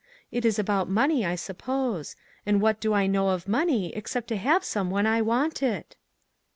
It is about money, I suppose; and what do I know of money except to have some when I want it?"